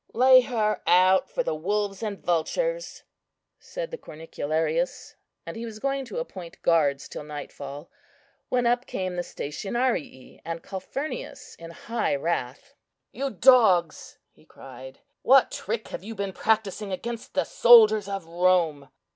"Lay her out for the wolves and vultures," said the cornicularius, and he was going to appoint guards till nightfall, when up came the stationarii and Calphurnius in high wrath. "You dogs!" he cried, "what trick have you been practising against the soldiers of Rome?"